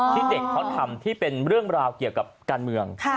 ที่เด็กเขาทำที่เป็นเรื่องราวเกี่ยวกับการเมือง